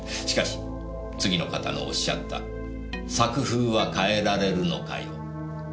しかし次の方のおっしゃった「作風は変えられるのかよ？」